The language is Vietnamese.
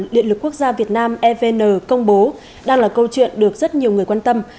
điện lực quốc gia việt nam evn công bố đang là câu chuyện được rất nhiều người quan tâm